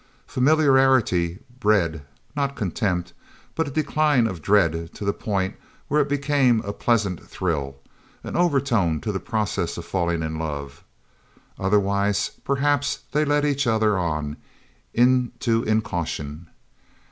Familiarity bred, not contempt, but a decline of dread to the point where it became a pleasant thrill an overtone to the process of falling in love. Otherwise, perhaps they led each other on, into incaution.